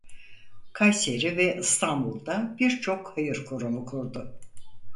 Kayseri ve İstanbul'da birçok hayır kurumu kurdu.